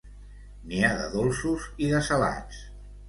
N'hi ha de dolços i de salats.